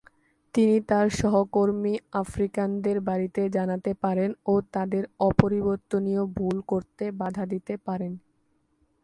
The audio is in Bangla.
তিনি তার সহকর্মী আফ্রিকানদের বাড়িতে জানাতে পারেন ও তাদের অপরিবর্তনীয় ভুল করতে বাধা দিতে পারেন।